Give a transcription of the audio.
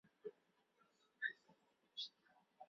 梦想成为小说家的山下耕太郎！